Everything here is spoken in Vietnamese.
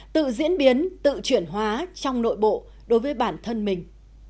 tự diễn biến tự chuyển hóa trong nội bộ đối với bản thân mình